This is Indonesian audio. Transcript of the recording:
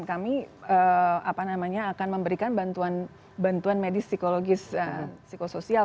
kami akan memberikan bantuan medis psikologis psikosoial